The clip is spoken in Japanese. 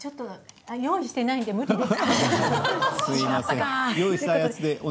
用意をしていないので無理です。